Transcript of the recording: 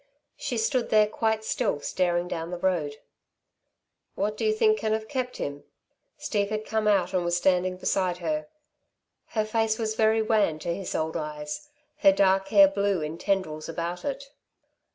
She stood there quite still staring down the road. "What do you think can have kept him?" Steve had come out and was standing beside her. Her face was very wan to his old eyes; her dark hair blew in tendrils about it.